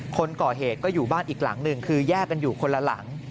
คนก่อเหตุก็อยู่บ้านอีกหลังหนึ่งคือแยกกันอยู่คนละหลัง